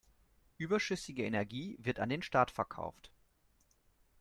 Überschüssige Energie wird an den Staat verkauft.